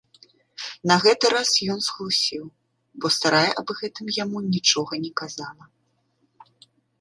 На гэты раз ён схлусіў, бо старая аб гэтым яму нічога не казала.